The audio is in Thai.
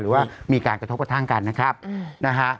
หรือว่ามีการกระทบกระทั่งกันนะครับนะฮะ